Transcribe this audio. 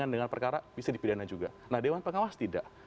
nah dewan pengawas tidak